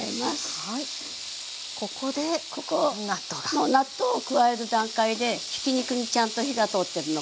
もう納豆を加える段階でひき肉にちゃんと火が通ってるの確認してね。